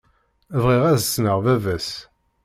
Bɣiɣ ad ssneɣ baba-s.